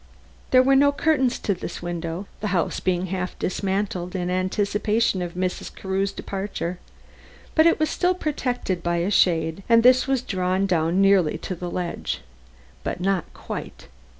There were no curtains to this window the house being half dismantled in anticipation of Mrs. Carew's departure but it was still protected by a shade, and this was drawn down, nearly to the ledge. But not quite.